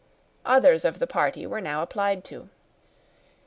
Others of the party were now applied to.